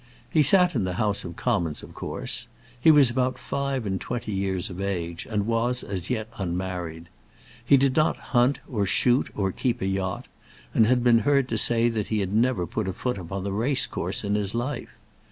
He sat in the House of Commons, of course. He was about five and twenty years of age, and was, as yet, unmarried. He did not hunt or shoot or keep a yacht, and had been heard to say that he had never put a foot upon a race course in his life.